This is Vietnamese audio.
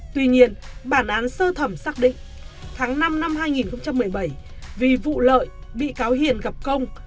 tuy nhiên bản án sơ thẩm xác định tháng năm năm hai nghìn một mươi bảy vì vụ lợi bị cáo hiền gặp công